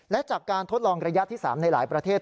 และจากการทดลองระยะที่๓ในหลายประเทศ